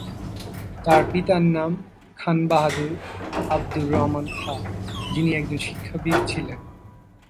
তার পিতার নাম খান বাহাদুর আবদুর রহমান খাঁ, যিনি একজন শিক্ষাবিদ ছিলেন।